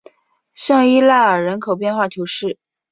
圣伊莱尔人口变化图示